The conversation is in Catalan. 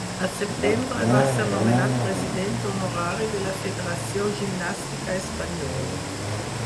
Al setembre va ser nomenat president honorari de la Federació Gimnàstica Espanyola.